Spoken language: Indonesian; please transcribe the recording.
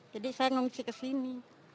jadi saya mengungsi ke sini